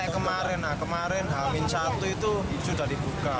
kemarin h satu itu sudah dibuka